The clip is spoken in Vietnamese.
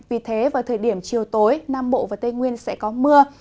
vì thế vào thời điểm chiều tối nam bộ và tây nguyên sẽ có mưa